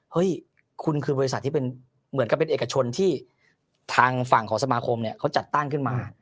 เฮ้ยคุณคือบริษัทที่เป็นเหมือนกับเป็นเอกชนที่ทางฝั่งของสมาคมเนี่ยเขาจัดตั้งขึ้นมา